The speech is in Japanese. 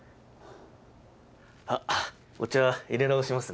あっお茶入れ直しますね。